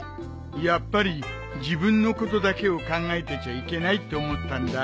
やっぱり自分のことだけを考えてちゃいけないって思ったんだ。